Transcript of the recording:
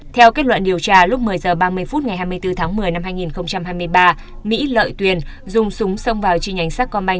theo kết luận điều tra lúc một mươi h ba mươi phút ngày hai mươi bốn tháng một mươi năm hai nghìn hai mươi ba mỹ lợi tuyền dùng súng xông vào chi nhánh sacomban